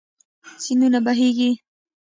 سيندونه بهيږي